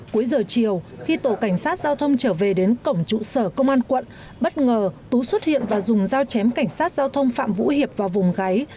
cuối giờ chiều khi tổ cảnh sát giao thông trở về đến cổng trụ sở công an quận bất ngờ tú xuất hiện và dùng dao chém cảnh sát giao thông phạm vũ hiệp vào vùng gáy